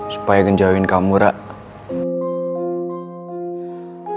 supaya ngejauhin kamu rar